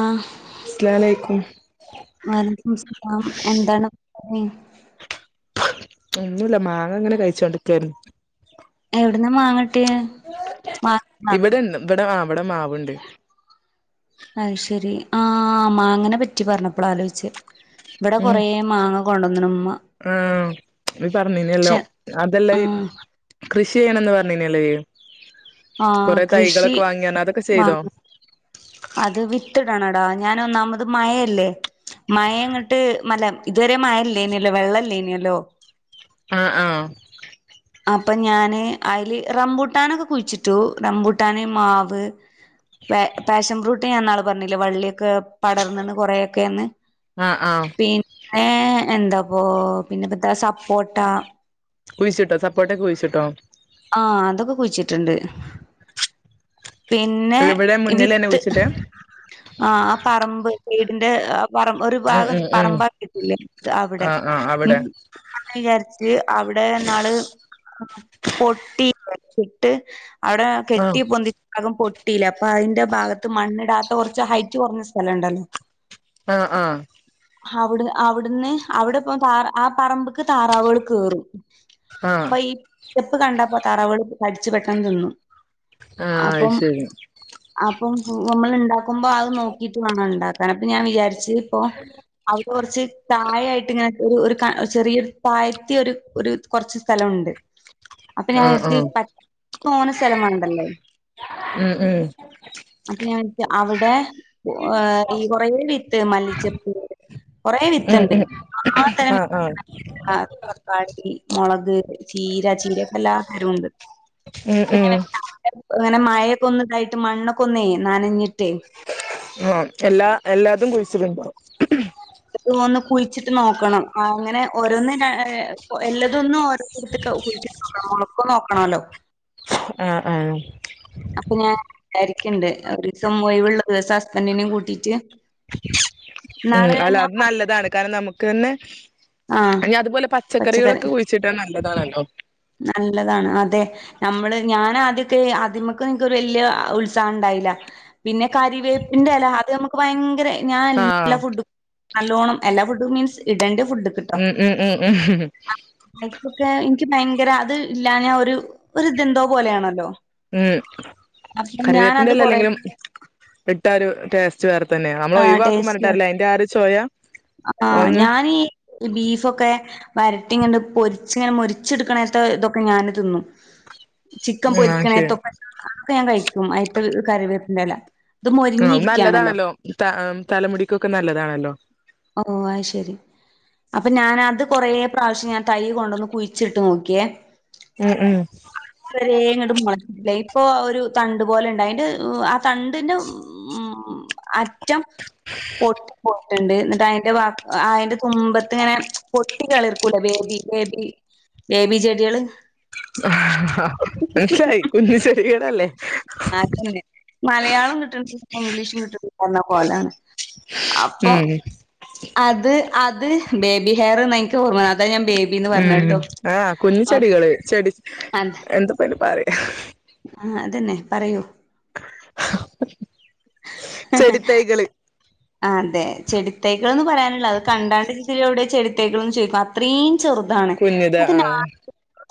ആഹ് അസ്സലാമലൈക്കും വലക്കം സ്ലാം എന്താണ് പറ ഒന്നുല്ല മാങ്ങ ങ്ങനെ കഴിച്ചോണ്ടക്കരുന്നു എവടന്നാ മാങ്ങട്ട്യേ ഇവിടെണ്ട് ഇവിടെ ആ ഇവിടെ മാവണ്ട് അത് ശെരി ആ മാങ്ങനെ പറ്റി പറഞ്ഞപ്പള ആലോയിച്ചെ ഇവിടെ കൊറേ മാങ്ങ കൊണ്ടുവന്നുംമ്മ ആഹ് ന പറഞ്ഞന എല്ലാം അതെല്ലാം ഈ ആഹ് കൃഷി ചെയ്യണന്ന് പറഞ്ഞനല്ലേ ആഹ് കൊറെ കൃഷി തൈകളൊക്കെ വാങ്ങിയാണ് അതൊക്കെ ചെയ്തോ വാങ്ങ അത് വിത്തിടണടാ ഞൻ ഒന്നാമത് മയയല്ലേ മഴ അങ്ങോട്ട് മല്ല ഇതുവരെ മഴല്ലേനല്ലോ വെള്ളംല്ലേനല്ലോ ആഹ് ആഹ് അപ്പൊ ഞാന് അയില് റംബൂട്ടാനൊക്കെ കുഴിച്ചിട്ടു റംബൂട്ടാന് മാവ് പ പാഷൻ ഫ്രൂട്ട് ഞാൻ ഇന്നാള് പറഞ്ഞില്ലേ വള്ളിയൊക്കെ പടർന്നിണ് കൊറേ ഒക്കെ ന്ന് ആ ആ പി ന്നെ എന്താ ഇപ്പൊ പിന്നെ പ സപ്പോട്ട. കുഴിച്ചിട്ടോ സപോട്ട ഒക്കെ കുഴിച്ചിട്ടോ? ആഹ് അതൊക്കെ കുഴിച്ചിട്ടുണ്ട്. പിന്നെ ഇവിടെ മുന്നിലെന്നെ വിത്ത് കുഴിച്ചിട്ടേ ആഹ് പറമ്പ് വീടിന്റെ ആഹ് പറമ്പ് ഒരു ഉം ഭാഗം ഉം ഉം പറമ്പ ആക്കീട്ടില്ലേ അവിടെ ആ ആ ഉം അവിടെ അങ്ങനെ വിചാരിച്ച് അവിടെ ഇന്നാള് പൊട്ടി ഇട്ട് അവിടെ ആ കെട്ടി പൊന്തി അകം പൊട്ടിയില്ല അപ്പൊ അതിന്റെ ഭാഗത്ത് മണ്ണിടാത്ത കുറച്ച് ഹൈറ്റ് കുറഞ്ഞ സ്ഥലണ്ടല്ലോ ആഹ് ആഹ്. ഹവിടെ അവിടുന്ന് അവിടെപ്പ താറ ആ പറമ്പക്ക് താറാവുകൾ കേറും. ആഹ്. അപ്പൊ ഈ ചെപ്പ് കണ്ടപ്പോ തറാവുകള് കടിച്ചു പെട്ടെന്ന് തിന്നും അത് അപ്പം ശരി അപ്പം നമ്മള് ഇണ്ടാക്കുമ്പോ അത് നോക്കി റ്റ് വാണം ഇണ്ടാക്കാൻ അപ്പൊ ഞാൻ വിചാരിച്ച് ഇപ്പോ അവിടെ കുറച്ച് തായായിട്ട് ഇങ്ങനെ ഒരു ഒരു ക ചെറിയൊരു താഴത്തി ഒരു ഒരു കുറച്ച് സ്ഥലിണ്ട്. അപ്പൊ ഞാൻ ആ ആ വിചാരിച്ച് പത്ത് മൂന്ന് സ്ഥലം വേണ്ടല്ലേ. ഉം ഉം. അപ്പ ഞാൻ അവിടെ ഉ ഈ കൊറേ വിത്ത് മല്ലിചെപ്പ് കൊറെ വിത്ത് ഉം ഇണ്ട് ഉം ആ തരം വി [unintelligible] തക്കാളി മൊളക് ചീര ചീര ഒക്കെ എല്ലാ തരവും ഇണ്ട് ഉം ഇപ്പൊ ഇങ്ങനെ ഉം ഇങ്ങനെ മഴൊക്കെ ഒന്ന് ഇതായിട്ട് മണ്ണ് ഒക്കെ ഒന്നേ നനഞ്ഞിട്ടേ ഉം എല്ലാ എല്ലാതും കുഴിച്ച് ഇടുണ്ടാവും. അത് ഒന്ന് കുളിച്ചിട്ട് നോക്കണം അങ്ങനെ ഓരോന്ന് എല്ലതൊന്നും ഓരോരുത്ത കുഴിട്ടി ന മൊളക്കൊന്നും നോക്കണല്ലോ. ആഹ് ആഹ് അപ്പൊ ഞാൻ വിചാരിക്കണ്ട് ഒരീസം ഒഴുവുള്ള ദിവസം ഹസബൻഡിനെയും കൂട്ടിട്ട് ഉം അല്ല അത് നല്ലതാണ് കാരണം നമുക്ക് തന്നെ ആഹ് ഇഞ്ഞി അതുപോലെ പച്ചക്കറി പച്ചക്കറികളൊക്കെ കുഴിച്ചിട്ടാ നല്ലതാണല്ലോ. നല്ലതാണ് അതെ. നമ്മള് ഞാൻ ആദ്യൊക്കെ ആദ്യമക്കെ നിനക്ക് ഒരു വല്ല്യ ഉത്സാഹം ഉണ്ടായില്ല. പിന്നെ കരിവേപ്പിന്റെ ഇല അത് നമുക്ക് ഭയങ്കര ഞാൻ ആഹ് എല്ലാ ഫുഡും നല്ലോണ്ണം എല്ലാ ഫുഡും മീൻസ് ഇടേണ്ട ഫുഡ് ഉം ഉം ഉം ഉം ഉ ഹും. പ്പൊക്കെ എനിക്ക് ഭയങ്കര അത് ഇല്ലാഞ്ഞ ഒരു ഒരു ഇതെന്തോ പോലെയാണല്ലോ. ഉം അപ്പൊ കറിവേപ്പിന്റെ ഞാനത് എല അല്ലെങ്കിലു കൊറേ ഇട്ട ഒരു ടേസ്റ്റ് വേറെ തന്നെ നമ്മള ആഹ് ഒിവാക്കും ടേസ്റ്റ് പറഞ്ഞട്ടാറില്ലേ അതിന്റെ ആര് ചോയ. ആഹ് ഞാൻ ഈ ബീഫ് ഒക്കെ വരട്ടി ഇങ്ങണ്ട് പൊരിച്ച് ഇങ്ങനെ മൊരിച്ചെടുക്കണത്തെ ഇതൊക്കെ ഞാന് തിന്നു ചിക്കൻ ഉം അത് ശരി പൊരിക്കണേത്തൊക്കെ അതൊക്കെ ഞാൻ കഴിക്കും അയത്ത കറിവേപ്പന്റെ എല ആ നല്ലതാണല്ലോ ത തലമുടിക്കൊക്കെ നല്ലതാണല്ലോ. ഓ ആയ്ശരി. അപ്പൊ ഞാനത് കൊറേ പ്രാവശ്യം ഞാൻ തൈ കൊണ്ടൊന്ന് കുഴിച്ചിട്ട് നോക്കിയേ ഉം ഉം ഇതരേയിങ്ങട്ട് മുളച്ചില്ല ഇപ്പൊ ഒരു തണ്ട് പോലെയിണ്ട് അയിന്റെ ത ണ്ടിന്റെ മ് അറ്റം പൊട്ടി പോയി ട്ട്ണ്ട് ഇന്നിട്ട് അയിന്റെ ഭാ അയിന്റെ തുമ്പ ത്ത്ങ്ങനെ പൊട്ടി കിളിർക്കൂലെ ബേബി ബേബി ബേബി ചെടികള് ആ മനസ്സിലായി കുഞ്ഞ് ചെടികളല്ലേ? അതന്നെ മലയാളും കിട്ടണില്ല ഇംഗ്ലീഷും കിട്ടണില്ലാർഞ കോലാണ് അപ്പം ഉം അത് അത് ബേബി ഹെയർന്നാ ഇൻക്ക് ഓർമ അത ഞാൻ ബേബിന്ന് ഉം പറഞേട്ടോ ആഹ് അ എന്തപ്പയിന് പറയാ ആഹ് അതന്നെ പറയൂ ചെടി തൈകള് അതെ ചെടി തൈകകള്ന്ന് പറയാന്ള്ള അത് കണ്ടാണ്ട് ഇജിതിലൊവ്ടെ ചെടി തൈകള്ന്ന് ചോയ്ക്കും അത്രീം ചെറുതാണ് കുഞ്ഞിത് അത് ന ആഹ്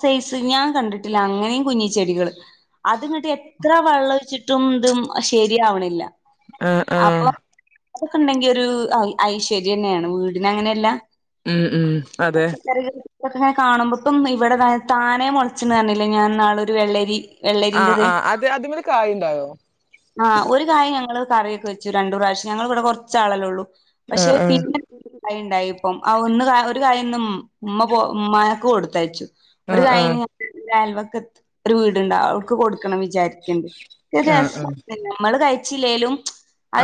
സൈസ് ഞാൻ കണ്ടിട്ടില്ല അങ്ങനീം കുഞ് ചെടികള് അത്ങ്ങട്ട് എത്ര വെള്ളം ഒഴിച്ചിട്ടും ഇത് ശരിയാവണില്ല ആഹ് ആഹ് അപ്പം അതൊക്കെണ്ടെങ്കി ഒരു ഐ ഐശ്വര്യന്നേണ് വീടിന് അങ്ങനെയല്ല ഉം ഉം അതെ പെരേല് ഇതൊക്കെങ്ങനെ കാണുമ്പോ ഇപ്പം ഇവിടെതാ താനെ മൊളച്ചീണ് പറഞ്ഞില്ലേ ഞാ ഇന്നാളൊരു വെള്ളരി ആഹ് വെള്ളരിന്റെത് ആ് അത് അത്മ്മല് കായിണ്ടായോ? ആഹ് ഒരു കായ് ഞങ്ങള് കറിയൊക്കെ വെച്ചു രണ്ടു പ്രാവിശ്യം ഞങ്ങള് വടെ കൊറച്ചാളല്ലേയൊള്ളൂ പക്ഷെ ആഹ് ആഹ് പിന്നെ കായിണ്ടായെപ്പം ആ ഒന്ന് കാ ഒരു കായിന്ന് ഇമ് ഇമ്മ പോയപ്പം ഇമ്മാക്ക് കൊടുത്തയ്ച്ചു ഒരു ആഹ് ആഹ് കായിഞ് ഇന്റെ അയൽവക്കത്ത് ഒരു വീട്ണ്ട് അവ്ട്ക്ക് കൊടുക്കണം വിചാരിക്ക്ണ്ട് ഒരു ആഹ് രസം ആഹ് നമ്മള് കഴിച്ചില്ലേലും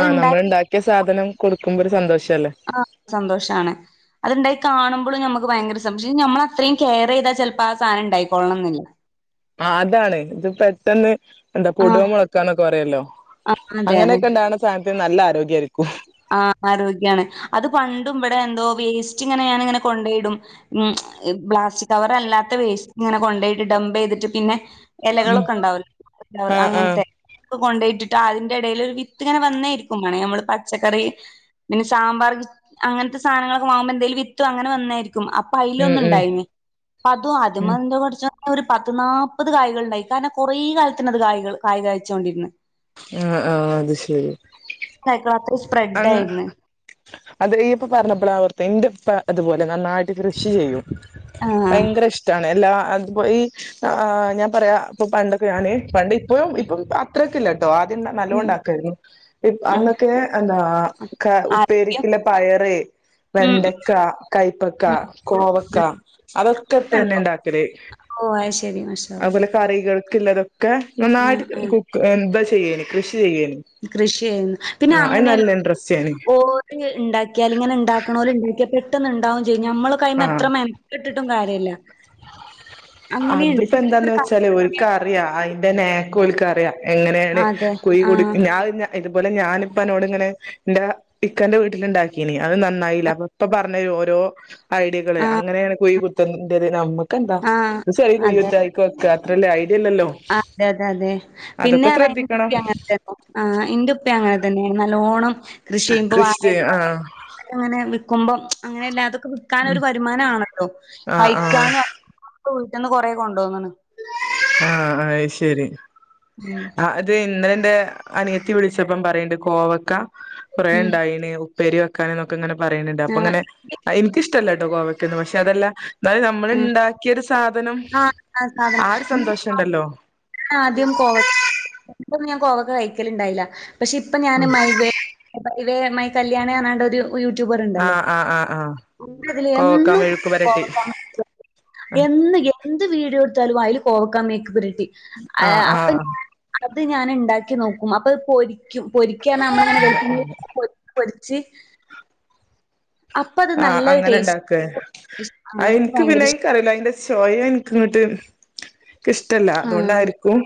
ആഹ് നമ്മള്ണ്ടാക്കിയ സാധനം കൊടുക്കുമ്പൊരു സന്തോഷല്ലേ? ആഹ് ഒരു സന്തോഷാണ് അത്ണ്ടായി കാണുമ്പളും നമ്മക്ക് ഭയങ്കര സന്തോക്ഷം പക്ഷെ ഞമ്മളത്രയും കെയറെയ്താ ചെലപ്പോ ആ സാധനനെണ്ടായി കോളണന്നില്ല ആ അതാണ് ഇത് പെട്ടെന്ന് എന്താ ആഹ് പൊടോം മൊളക്കാന്നൊക്കെ പറയല്ലോ? ആഹ് അതെ അതെ അങ്ങനെയൊക്കെണ്ടാണെ സാധനത്തിന് നല്ല ആരോഗ്യായിരിക്കും ആ ആരോഗ്യാണ് അത് പണ്ടും ഇവിടെന്തോ വേസ്റ്റ്ങ്ങനെ ഞാനിങ്ങനെ കൊണ്ടോയിടും ഉം പ്ലാസ്റ്റിക് കവറല്ലാത്ത വേസ്റ്റ്ങ്ങനെ കൊണ്ടോയിട്ട് ഡംപെയ്തിട്ട് പിന്നെങ്ങനെ ഉം എലകളൊക്കെണ്ടാവൊല്ലോ ആഹ് ആഹ് അങ്ങൻത്തെ കൊണ്ടോയിട്ടിട്ട് അതിന്റെടയില് ഒരു വിത്ത്ങ്ങനെ വന്നേയിരിക്കും മാണെ നമ്മള് പച്ചക്കറി പിന്നെ സാമ്പാർ കിറ്റ് അങ്ങനത്തെ സാധനങ്ങളൊക്കെ വാങ്ങുമ്പോ എന്തേലും വിത്തോ അങ്ങനെ വന്നായിരിക്കും ഉം ഉം അപ്പയിലൊന്ന്ണ്ടായീനി അപ്പതും ഉം അതുമ്മെന്റെ പടച്ചോനേ ഒരു പത്ത് നാല്പ്പത് കായ്കള്ണ്ടായിനി കാരണം കൊറേ കാലത്തിനത് കായികൾ കായ് കാഴ്ച്ചോണ്ടിര്ന്ന് ആഹ് ആഹ് അത് ശരി രാത്രി ച അങ്ങ് അത് ഇയ്യ്പ്പൊ പർഞ്ഞപ്പളാ ഓർത്തെ ഇന്റെപ്പ ഇതുപോലെ നന്നായിട്ട് കൃഷി ചെയ്യും ആഹ് ഭയങ്കരഷ്ടാണ് എല്ലാ അത് ഈ ഞാൻ പറയാ ഇപ്പൊ പണ്ടൊക്കെ ഞാന് പുതിയ പണ്ട് ഇപ്പും ഉം ഇപ്പം അത്രൊക്കെല്ല ആദ്യം ഉം നല്ലോണ്ടാക്കായിരുന്നു ഇ ആ അന്നൊക്കെ എന്നാ ആരോഗ്യം ഉപ്പേരിക്കില്ല പയറ് ഉം വെണ്ടക്ക കയപ്പക്ക ഉം ഉം കോവക്ക ഉം. അതൊക്കെ ഇപ്പ ന്നെ കണ്ടോ ഇണ്ടാക്കല്. ഓഹ് അത് ശരി. മാഷാഅള്ളാ. കറികൾക്കുള്ളതൊക്കെ, നന്നായിട്ട് ആഹ് കുക്ക് ത ചെയ്യല് കൃഷി ചെയ്യല്. കൃഷി ചെയുന്നു. പിന്നെ അങ്ങനെയല്ല ഇൻട്രസ്റ്റേനി ഓഹ് ഉണ്ടാക്കിയാൽ ഇങ്‌നെ ഉണ്ടാക്കണോല് ഉണ്ടാക്കിയ പെട്ടന്ന് ഉണ്ടാവും ചെയ്യും. നമ്മളൊ ക്കെ അയിമ ആഹ് മെൻകെട്ടിട്ടും കാര്യല്ല. അങ്ങനെണ്ട്. അതിപ്പോ എന്താന്ന് വെച്ചാല് ഓൽക്ക് അറിയാ അയ്ന്റെ നേക്കോൽക്ക അറിയ, എങ്ങനെയാണ് അതെ കുഴി കുഴിക് ആഹ് അത് ഞാ ഇതുപോലെ ഞാനിപ്പാനോട് ഇങ്ങനെ ന്റെ ഇക്കന്റെ വീട്ടില് ഉണ്ടാക്കീനി. അത് നന്നായീല, അപ്പൊ ഇപ്പ പറഞ്ഞരും ഓരോ... ഐഡിയകള്, ആഹ് അങ്ങനെയാണ് കുഴി കുത്തന്റെത്, നമക്കന്ത? ആഹ് അത് ചെറിയ കുഴി അതെ. കുത്ത അയിക് വെക്ക. അത്രല്ലേ, ഐഡിയ ഇല്ലല്ലോ? ആഹ് അതെ അതെ അതെ അതൊക്കെ പിന്നെയാണ് അയിനെ ശ്രദ്ധിക്കണം പറ്റി അങ്ങന ആഹ്, ഇന്റെ ഉപ്പി അങ്ങനെ തന്നേണ്. നല്ലോണം കൃഷി ചെയ്യുമ്പോ വായപ്പ ആഹ്, അങ്ങനെ വിൽക്കുമ്പം അങ്ങനെല്ല അതൊക്കെ വിക്കാനൊരു ഉം വരുമാനണല്ലോ, ആഹ് ആഹ് കഴിക്കാനും വീട്ടിൽന്ന് കൊറേ കൊണ്ടോന്ന്ണ്. ആഹ്, അയ്ശരി. ഉം. ആ അത് ഇന്നലെന്റെ അനിയത്തി വിളിച്ചപ്പം പറയണ്ട്, കോവക്ക കുറെ ഉം ഉണ്ടായിണ്. പ്പേരി വെക്കാനൊക്കെ എന്നൊക്കെ ഇങ്ങനെ പറയുന്നുണ്ട്. അപ്പൊ ആഹ് ഇങ്ങനെ എനിക്കഷ്ടല്ലട്ടോ കോവയ്ക്കൊന്നും. പക്ഷെ അതെല്ല... ന്നാലും നമ്മൾ ആഹ് ണ്ടാക്കിയരു സാധനം, ആ ഒരു സന്തോഷുണ്ടല്ലോ? ഞാന് ആദ്യം കോവ ഇപ്പൊ ഞാൻ കോവക്ക് കഴിക്കലുണ്ടായില. പക്ഷെ ഇപ്പ ഞാന് മൈവേ മൈവേ മൈ കല്യാണി പറഞ്ഞാണ്ട് ഒരു... ഒരു യൂട്യൂബർ ആ ഉണ്ടല്ലോ, ആ ആ ആ അതിൽ കോവക്ക എന്നും മെഴുക്ക് പെരട്ടി കോവക്കോ എന്നും എന്ത് വീഡിയോ എടുത്താലും അയ്ൽ കോവക്കാ മേയ്ക്ക് പുരട്ടി. ആ ആഹ്, ആ അപ്പൊ അത് ഞാന് ഉണ്ടാക്കി നോക്കും. അപ്പൊ അത് പൊരി ക്കും. പൊരിക്കാറഞ്ഞ നമ്മളിങ്ങനെ വെളിച്ചെണ്ണേട്ട് പൊരിച്ച പൊരിച്ച്... അപ്പത് ആഹ്, നല്ല അങ്ങനെ ടേസ്റ്റ് ഉണ്ടാക്ക. ആഹ് എനിക്ക് ഇനിക്ക് പിന്നെ ഭയങ്കര അത് ഇഷ് എനിക്ക്റിയൂല, അതിന്റെ ചോയ ഇൻക്ക് ഇങ്ങട്ട്, ഇന്ക് ഇഷ്ടല്ല. ആഹ് അതുകൊണ്ടായിരിക്കും.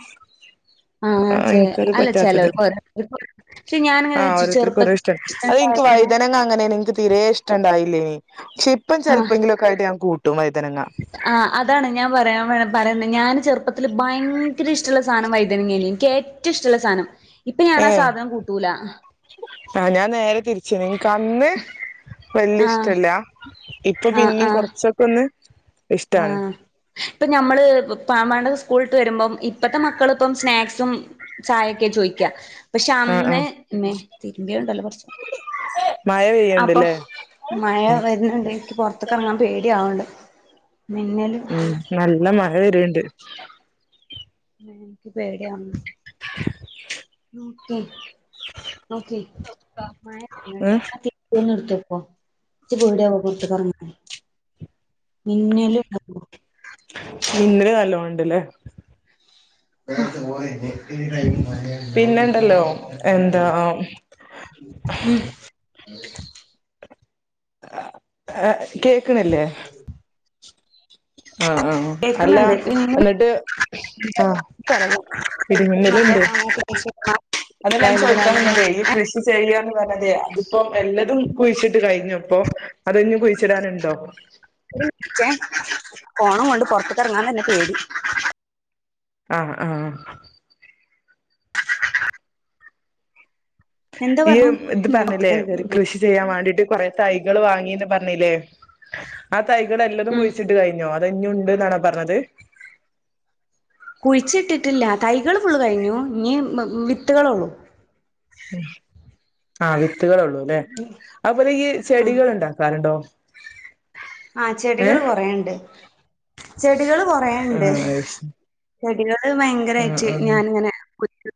ആഹ്, ചെ എനിക്കത് അല്ല പറ്റാത്തത് ചെലോർ പക്ഷെ ഞാനങ്ങനെ ആഹ് വെച്ചു ഓരോരുത്തർക്കും ഓരോ ചെറുപ്പത്തി അത് ഇൻക്ക് ഇഷ്ട്ടണ്ടായിരുന്ന വൈതനങ്ങ... അങ്ങനെണ്. നിക്ക് തീരെ ഇഷ്ടണ്ടായിലേയിനി. പക്ഷെ, ഇപ്പ ആഹ് ചെൽപ്പങ്കിലുക്കായിട്ട് ഞാൻ കൂട്ടും വൈതനങ്ങ. ആഹ് അതാണ്. ഞാൻ പറയാൻ പറയുന്നത്, ഞാൻ ചെറുപ്പത്തില് ഭയങ്കര ഇഷ്ടള്ള സാധനം വൈതനങ്ങേയിനി. ന്ക്ക് ഏ ഏറ്റവും ഇഷ്ടള്ള സാധനം. ഇപ്പ ഞാൻ ആ ഏഹ് സാധനം കൂട്ടൂല. ആഹ്, ഞാൻ നേരെ തിരിച്ചാണ്. എനിക്ക് അന്ന് വല്യ ആഹ് ഇഷ്ടല്ല്യ ഇപ്പൊ ആഹ് പിന്നിം ആഹ് കൊറച്ചൊക്കെന്ന്... ആഹ് ഇപ്പൊ ഞമ്മള് പ മാണ്ട് സ്കൂളിട്ട് വരുമ്പം, ഇപ്പത്തെ മക്കള് ഇപ്പം സ്നാക്സും ചായൊക്കെ ചോയ്ക്ക. പക്ഷെ, ആഹ് അന്ന് ആഹ് ഇമ്മേ, തിരുമ്പിയത് ഉണ്ടല്ലോ കുറച്ച മഴ അപ്പൊം, പെയ്യ്ണ്ട്ല്ലേ മഴ ഉം വരുന്നുണ്ട് എനിക്ക് പൊർത്ത്ക്ക് എറങ്ങാൻ പേടിയാവണ്ട്. മിന്നലും... നല്ല മഴ വര്ണ്ട്. ഉം, ഇൻക്ക് പേടിയാവ്ണ്. Okay, okay. മഴ വർന്ണ്ട്. ഉം ജ്ജ് ഒന്ന് ഇട്ത്തെക്കോ ഇച്ച് പേഡ്യാവും പോർത്ക്ക് എർങ്ങാന്. മിന്നലും ഇണ്ടാവുമ്പോ മിന്നല് നല്ലോം ഇണ്ട് ലേ [unintelligible] പിന്നെണ്ടല്ലോ എന്താ ഉം. കേക്ക്ണ്ല്ലേ ആ ആ അല്ലാ കേക്കുന്നുണ്ട് മിന്നല് എന്നിട്ട് ആഹ് പഠിക്കുന്ന നല്ല ഇടിമിന്നലുണ്ട് സമയത്ത് പഠിച്ച്ക്ക്ണാ അതല്ല ഞാൻ ചോയിക്കാൻ എന്താറിയോ ഈ കൃഷി ചെയാന്ന് പർഞ്ഞതെ അത്പ്പോം എല്ലതും കുഴിച്ചിട്ട് കഴിഞ്ഞപ്പൊ അത് ഇഞ്ഞും കുഴിച്ചിടാന്ണ്ടോ ച്ചേ ഫോണും കൊണ്ട് പോർത്ത്ക്ക് എർങ്ങാൻ തന്നെ പേടി ആ ആഹ് എന്താ ഈ പറഞ്ഞെ ഇത് ഞാൻ പർഞ്ഞിലെ ഒത്തക്കനെ കേറിപ്പോ കൃഷി കൃഷി ചെയ്യാം വാണ്ടിട്ട് കൊറെ തൈകള് വാങ്ങീന്ന് പർഞ്ഞിലെ ആ തൈകള് എല്ലതും ഉം കുഴിച്ചിട്ട് കഴി ഞ്ഞോ അതോ ഇഞ്ഞുണ്ട് ന്നാണോ പർഞ്ഞത് കുഴിച്ച് ഇട്ടിട്ടില്ല തൈകള് ഫുള്ള് കഴിഞ്ഞു ഇഞ്ഞി വിത്തുകള് ഒള്ളു ആ വിത്തുകള് ഒള്ളൂ ലെ അതുപോലെ ഈ ആഹ് ചെടികള്ണ്ടാ ക്കാല്ണ്ടോ ആ ചെടികള് കൊറെ ഇണ്ട് ചെടികള് കൊറെ ഇണ്ട് ആഹ് അത് ശരി ചെടികള് ആഹ് ഭയങ്കരായിറ്റ് ആഹ് ഞാന് ഇങ്ങനെ കുത്തി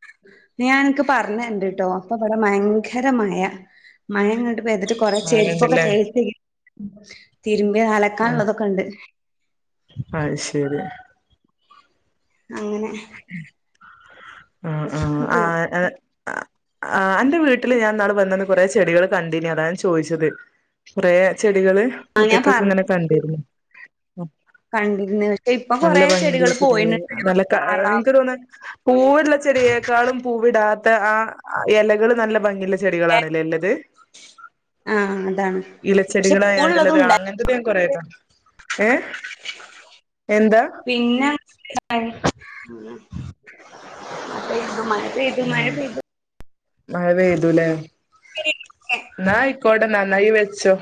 ഇഞ് ഞാൻ അൻക്ക് പർഞ്ഞര്ണ്ട് ട്ടോ ഇപ്പൊ ഇവടെ ഭയങ്കര മഴ മഴ ഇങ്ങട്ട് പെയ്ത്ട്ട് കൊറെ ചെര്പ്പൊക്ക അങ്ങനെണ്ട്ല്ലേ തേകി തേകി തിര്മ്പിയ ആഹ് അലക്കാള്ളതൊക്ക ഇണ്ട് അത് ശരി അങ്ങനെ ഉം ഉം [unintelligible] ആ അന്റെ വീട്ട്ല് ഞാൻ ന്നാള് വന്നന്ന് കോറെ ചെടികള് കണ്ടീനി അതാ ഞാൻ ചോഴിച്ചത് കോറേ ചെടികള് ആ ഞാൻ മുറ്റത്തൊക്ക പറഞ്ഞ ഇങ്ങനെ കണ്ടിരുന്നു കണ്ടിരുന്നു പക്ഷെ ഇപ്പൊ നല്ല കൊറേ ഭംഗില്ല ചെടികള് പോയിണ് നല്ല ക താറാവ് ഇൻക് തോന്ന പൂവ്ള്ള ചെടിയേക്കാളും പൂവിടാത്ത ആ എലകള് നല്ല ഭംഗില്ല ചെടികളാണ് ലെ ഇല്ലത് ആ അതാണ് പക്ഷെ ഇലച്ചെടികളായാണ്ട് പൂവുള്ളതും ഇള്ളത് ഉണ്ടായി അങ്ങൻത്തെത് ഞാൻ കൊറേ കണ്ട് ഏഹ് എന്താ പിന്ന [unintelligible] പെയ്തു മഴ പെയ്തു ഉം മഴ മഴ പെയ്തു ലെ പെയ്തു ന്നാ അയിക്കോട്ടെ ന്നന്നായി വെച്ചോ